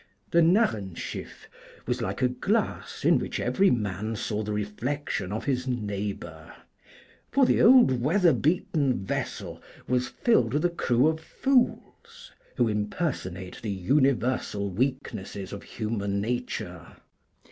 The 'Narrenschiff' was like a glass in which every man saw the reflection of his neighbor; for the old weather beaten vessel was filled with a crew of fools, who impersonate the universal weaknesses of human nature.